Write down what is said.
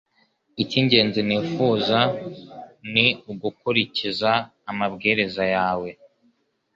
Icy’ingenzi nifuza ni ugukurikiza amabwiriza yawe